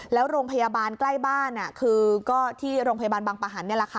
แล้วโรงพยาบาลใกล้บ้านคือก็ที่โรงพยาบาลบางประหันนี่แหละค่ะ